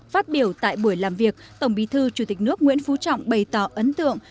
phát biểu tại buổi làm việc tổng bí thư chủ tịch nước nguyễn phú trọng bày tỏ ấn tượng